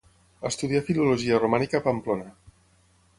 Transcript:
Estudià filologia romànica a Pamplona.